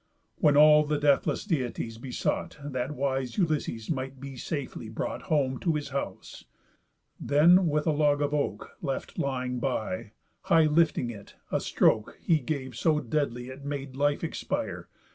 When all the deathless Deities besought, That wise Ulysses might be safely brought Home to his house; then with a log of oak Left lying by, high lifting it, a stroke He gave so deadly it made life expire.